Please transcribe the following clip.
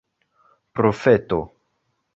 profeto